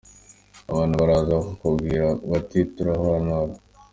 Abantu baraza Bakakubwira bati turahanura.